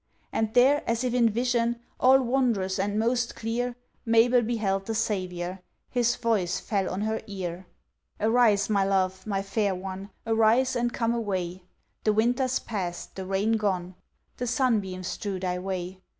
And there as if in vision, All wondrous, and most clear, Mabel beheld the Saviour, His voice fell on her ear. "Arise, my love, my fair one, Arise, and come away; The winter's past, the rain gone," The sunbeams strew thy way.